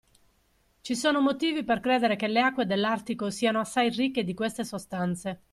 Ci sono motivi per credere che le acque dell'Artico siano assai ricche di queste sostanze.